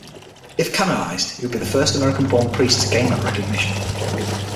If canonized, he would be the first American-born priest to gain that recognition.